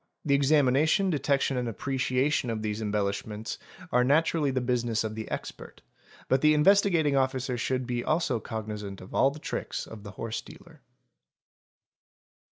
'he examination, detection, and appreciation of these em bellishments are naturally the business of the expert, but the Investigating — Ofticer should be also cognisant of all the tricks of the horse dealer.